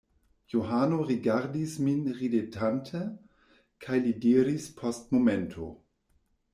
Johano rigardis min ridetante, kaj li diris post momento: